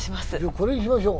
これにしましょう。